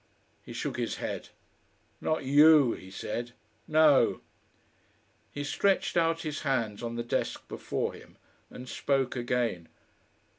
He shook his head. "Not YOU," he said. "No!" He stretched out his hands on the desk before him, and spoke again.